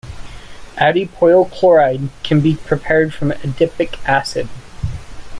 Adipoyl chloride can be prepared from adipic acid.